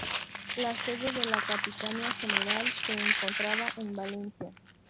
La sede de la Capitanía General se encontraba en Valencia.